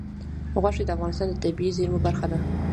غوښې د افغانستان د طبیعي زیرمو برخه ده.